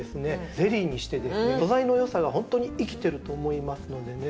ゼリーにして素材のよさが本当に生きてると思いますのでね